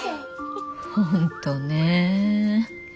本当ね。